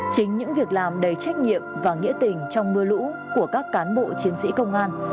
chính những việc làm đầy trách nhiệm và nghĩa tình trong mưa lũ của các cán bộ chiến sĩ công an